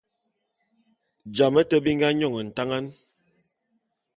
Jame te bi nga nyon ntangan.